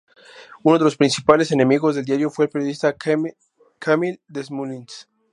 Uno de los principales enemigos del diario fue el periodista Camille Desmoulins.